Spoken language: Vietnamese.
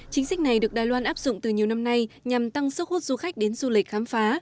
chính sách này được đài loan áp dụng từ nhiều năm nay nhằm tăng sức hút du khách đến du lịch khám phá